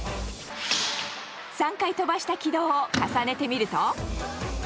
３回飛ばした軌道を重ねてみると。